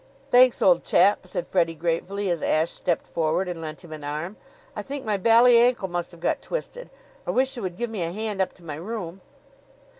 "Thanks, old chap," said Freddie gratefully as Ashe stepped forward and lent him an arm. "I think my bally ankle must have got twisted. I wish you would give me a hand up to my room."